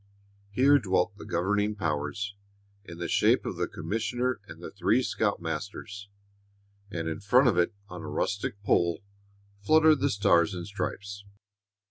Here dwelt the governing powers, in the shape of the commissioner and the three scoutmasters, and in front of it, on a rustic pole fluttered the Stars and Stripes.